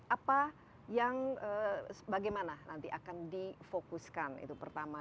apa yang bagaimana nanti akan difokuskan itu pertama